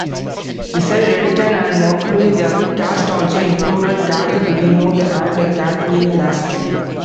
Besides Redican and Mochrie, the cast also included Kathy Greenwood and Kathleen Laskey.